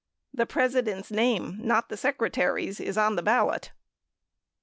The President's name , not the Secretary's is on the ballot.